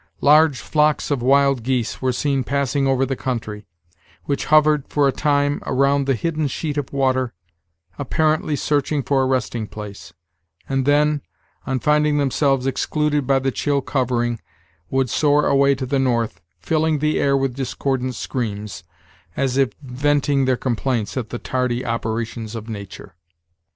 Large flocks of wild geese were seen passing over the country, which hovered, for a time, around the hidden sheet of water, apparently searching for a resting place; and then, on finding themselves excluded by the chill covering, would soar away to the north, filling the air with discordant screams, as if venting their complaints at the tardy operations of Nature.